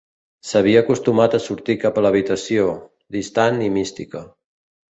S"havia acostumat a sortir cap a l"habitació, distant i mística.